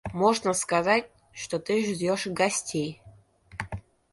Можно сказать, что ты ждешь гостей.